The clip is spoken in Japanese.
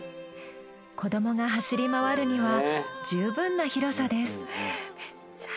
子どもが走り回るには十分な広さです。